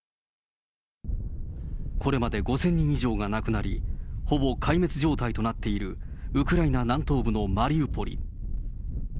これまで５０００人以上が亡くなり、ほぼ壊滅状態となっているウクライナ南東部のマリウポリ。